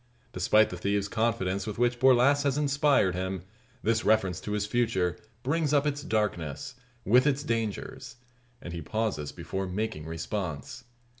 Despite the thieve's confidence with which Borlasse has inspired him, this reference to his future brings up its darkness, with its dangers; and he pauses before making response.